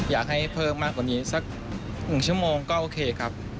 อยากให้เพิ่มมากกว่านี้สัก๑ชั่วโมงก็โอเคครับ